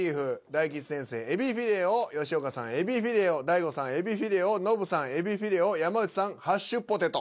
大吉先生「えびフィレオ」吉岡さん「えびフィレオ」大悟さん「えびフィレオ」ノブさん「えびフィレオ」山内さん「ハッシュポテト」。